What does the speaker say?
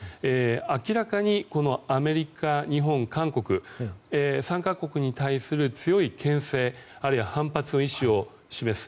明らかにアメリカ、日本、韓国３か国に対する強い牽制強い反発の意思を示す。